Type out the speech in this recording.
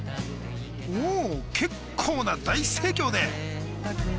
お結構な大盛況で。